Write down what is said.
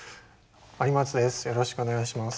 有松です。